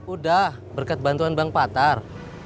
udah berkat bantuan bank patar